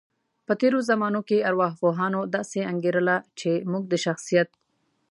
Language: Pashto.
په تیرو زمانو کې ارواپوهانو داسې انګیرله، چی موږ د شخصیت